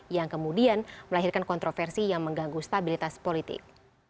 yang kemudian melahirkan kontroversi yang mengganggu stabilitas politik